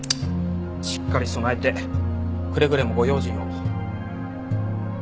しっかり備えてくれぐれもご用心を。